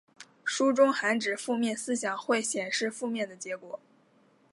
书中还指负面思想会显示负面的结果。